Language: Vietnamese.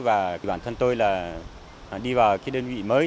và bản thân tôi là đi vào cái đơn vị mới